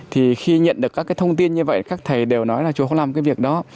thì khi nhận được các cái thông tin như vậy các thầy đều nói là trường không làm cái việc đó